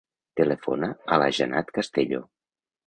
Telefona a la Janat Castello.